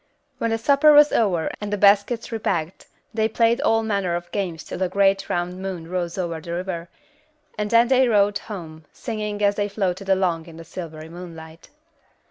When the supper was over and the baskets repacked, they played all manner of games till the great round moon rose over the river, and then they rowed home, singing as they floated along in the silvery moonlight.